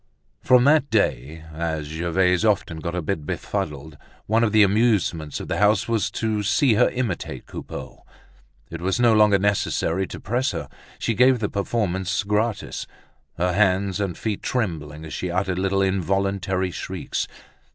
From that day, as Gervaise often got a bit befuddled, one of the amusements of the house was to see her imitate Coupeau. It was no longer necessary to press her; she gave the performance gratis, her hands and feet trembling as she uttered little involuntary shrieks.